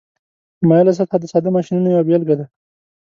مایله سطحه د ساده ماشینونو یوه بیلګه ده.